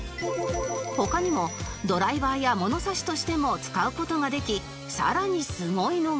他にもドライバーや物差しとしても使う事ができさらにすごいのが